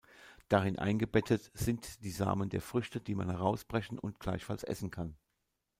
Darin eingebettet sind die Samen der Früchte, die man herausbrechen und gleichfalls essen kann.